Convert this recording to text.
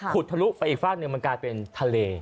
ทะลุไปอีกฝากหนึ่งมันกลายเป็นทะเล